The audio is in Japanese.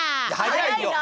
早いよ！